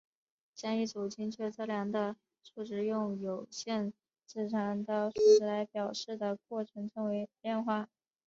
将一组精确测量的数值用有限字长的数值来表示的过程称为量化。